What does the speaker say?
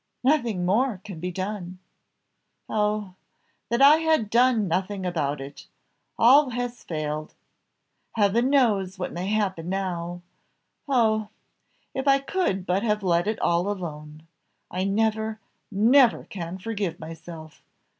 Nothing more can be done. Oh, that I had done nothing about it! All has failed! Heaven knows what may happen now! Oh! if I could but have let it all alone! I never, never can forgive myself!